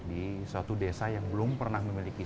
di suatu desa yang belum pernah memiliki